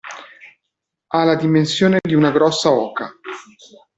Ha la dimensione di una grossa oca.